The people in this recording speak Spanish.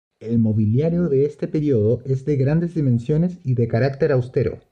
El mobiliario de este período es de grandes dimensiones y de carácter austero.